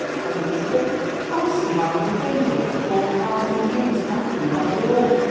said Elizabeth, "fancy having a thing worth four thousand guineas hanging on a wall!"